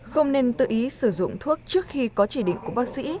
không nên tự ý sử dụng thuốc trước khi có chỉ định của bác sĩ